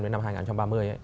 đến năm hai nghìn ba mươi